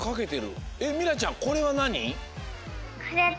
みらいちゃんこれはなに？